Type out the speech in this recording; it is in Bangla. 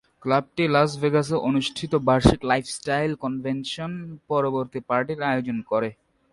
ক্লাবটি লাস ভেগাসে অনুষ্ঠিত বার্ষিক লাইফস্টাইল কনভেনশন পরবর্তী পার্টির আয়োজন করে।